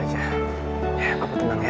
ya papa tenang ya